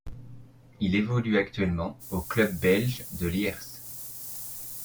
Il évolue actuellement au club belge de Lierse.